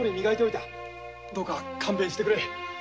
どうか勘弁してくれ。